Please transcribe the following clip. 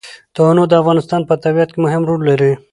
تنوع د افغانستان په طبیعت کې مهم رول لري.